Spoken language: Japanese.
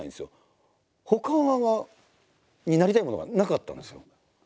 ほかはになりたいものがなかったんですよ。